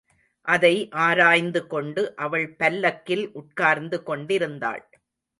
அதை ஆராய்ந்து கொண்டு அவள் பல்லக்கில் உட்கார்ந்து கொண்டிருந்தாள்.